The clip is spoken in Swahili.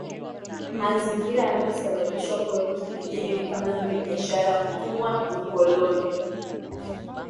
Mazingira yanayosababisha kuwepo Kipijini ni kama vile biashara utumwa ukoloni